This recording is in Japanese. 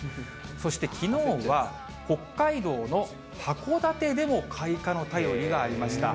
そしてきのうは北海道の函館でも開花の便りがありました。